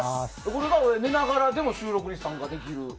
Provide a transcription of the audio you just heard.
これが寝ながらでも収録に参加できるＡＩ？